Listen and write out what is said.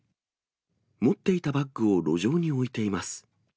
持っていたバッグを路上に置いています。